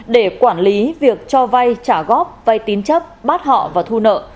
để quản lý việc cho vai trả góp vai tín chấp bắt họ và thu nợ